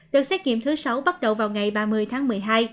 đợt xét nghiệm thứ sáu bắt đầu vào ngày ba mươi tháng một mươi hai